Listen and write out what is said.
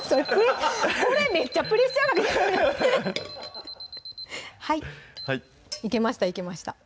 これめっちゃプレッシャーかけてくるはいいけましたいけました